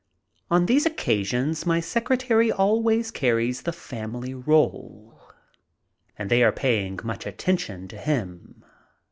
On these occasions my secretary always carries the family roll, and they are paying much attention to him.